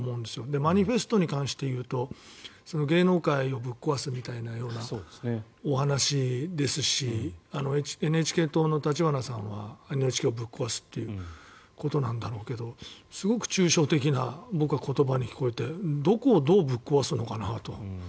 マニフェストに関していうと芸能界をぶっ壊すみたいなお話ですしＮＨＫ党の立花さんはＮＨＫをぶっ壊すということなんだろうけどすごく抽象的な言葉に聞こえてどこをどうぶっ壊すのかなと。